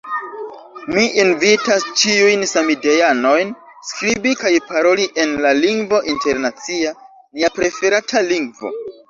Mi invitas ĉiujn samideanojn skribi kaj paroli en la lingvo internacia, nia preferata lingvo.